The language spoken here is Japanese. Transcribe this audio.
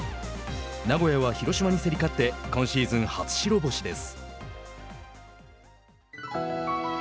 名古屋は広島に競り勝って今シーズン初白星です。